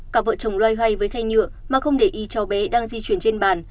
cặp vợ chồng loay hoay với khay nhựa mà không để ý cháu bé đang di chuyển trên bàn